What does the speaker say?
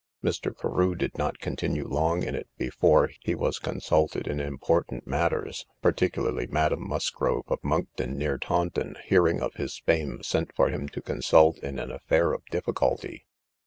Mr. Carew did not continue long in it before he was consulted in important matters: particularly Madam Musgrove, of Monkton, near Taunton, hearing of his fame, sent for him to consult in an affair of difficulty.